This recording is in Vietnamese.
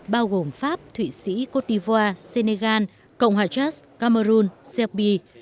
bao gồm pháp thụy sĩ cô ti vua sê nê gan cộng hòa chất cameroon sê pi